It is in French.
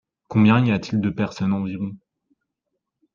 Combien y a-t-il de personnes environ ?